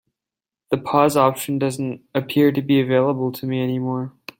The pause option doesn't appear to be available to me anymore.